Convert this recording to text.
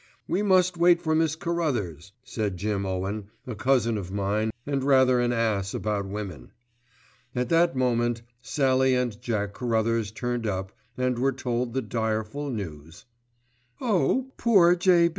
"We must wait for Miss Carruthers," said Jim Owen, a cousin of mine and rather an ass about women. At that moment Sallie and Jack Carruthers turned up and were told the direful news. "Oh! poor J.